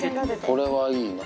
これはいいな。